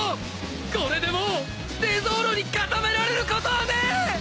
これでもうテゾーロに固められることはねえ！